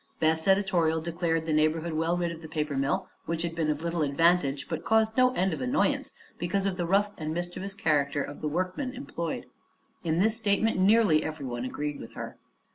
Beth's editorial declared the neighborhood well rid of the paper mill, which had been of little advantage but had caused no end of annoyance because of the rough and mischievous character of the workmen employed. In this statement nearly everyone agreed with her.